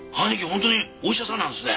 本当にお医者さんなんですね。